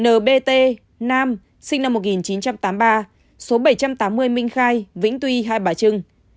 nbt nam sinh năm một nghìn chín trăm tám mươi ba số bảy trăm tám mươi minh khai vĩnh tuy hai bà trưng